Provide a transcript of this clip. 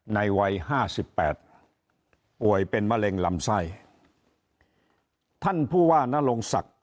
วัยห้าสิบแปดป่วยเป็นมะเร็งลำไส้ท่านผู้ว่านรงศักดิ์